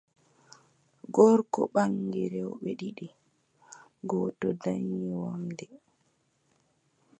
Gorko ɓaŋgi rewɓe ɗiɗi, gooto danyi wamnde,